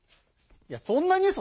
そんなニュース